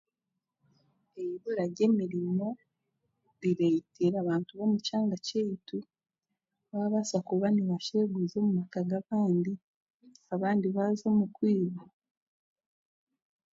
Eibura ry'emirimo rireitire abantu abo'mukyanga kyeitu baabasa kuba nibasheeguza omu maka g'abandi abandi baaza omu kwiba.